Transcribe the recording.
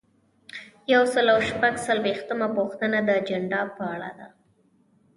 یو سل او شپږ څلویښتمه پوښتنه د اجنډا په اړه ده.